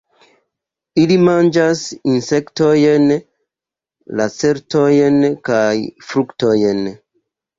Ili manĝas insektojn, lacertojn kaj fruktojn.